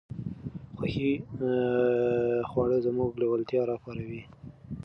خوښې خواړه زموږ لېوالتیا راپاروي.